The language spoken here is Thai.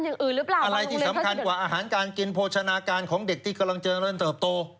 อะไรที่สำคัญกว่าอาหารการกินโภชนาการของเด็กที่เติบโต